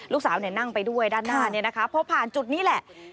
นั่งไปด้วยด้านหน้าเนี่ยนะคะพอผ่านจุดนี้แหละ